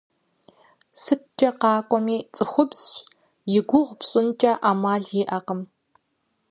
СыткӀэ къакӀуэми цӀыхубзщ игугъу пщӀынкӀэ Ӏэмал иӀэкъым.